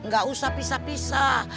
gak usah pisah pisah